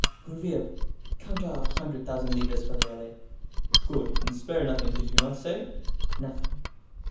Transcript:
"Gourville, count a hundred thousand livres for the abbe." "Good! and spare nothing, did you not say?" "Nothing."